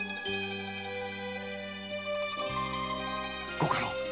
ご家老。